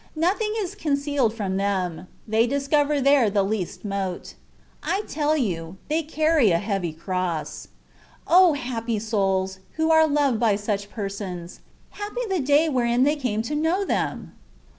Nothing is concealed from them — they discover there the least mote. I tell you, they carry a heavy cross. O happy souls, who are loved by such persons ! Happy the day wherein they came to know them